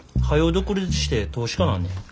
独立して投資家なんねん。